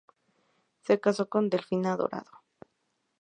Se casó con Delfina Dorado.